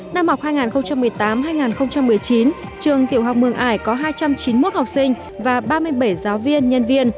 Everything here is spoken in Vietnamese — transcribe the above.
năm học hai nghìn một mươi tám hai nghìn một mươi chín trường tiểu học mường ải có hai trăm chín mươi một học sinh và ba mươi bảy giáo viên nhân viên